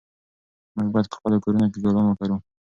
موږ باید په خپلو کورونو کې ګلان وکرلو.